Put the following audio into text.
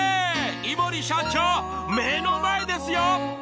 いもり社長目の前ですよ！